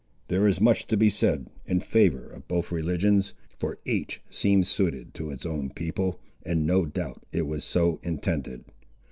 There is much to be said in favour of both religions, for each seems suited to its own people, and no doubt it was so intended.